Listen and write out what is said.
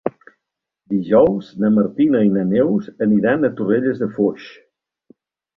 Dijous na Martina i na Neus aniran a Torrelles de Foix.